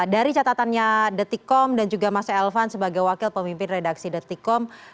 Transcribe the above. dari catatannya detikom dan juga mas elvan sebagai wakil pemimpin redaksi detikom